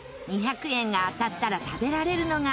２００円が当たったら食べられるのが。